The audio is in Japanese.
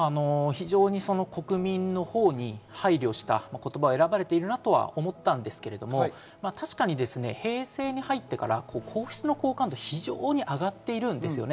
国民のほうに配慮した言葉を選ばれているなと思ったんですけれども、平成に入ってから皇室の好感度が非常に上がってるんですよね。